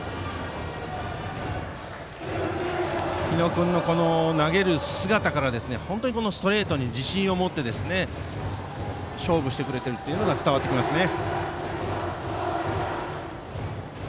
日野君の投げる姿から本当にストレートに自信を持って勝負してくれているというのが伝わってきますね。